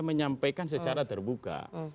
menyampaikan secara terbuka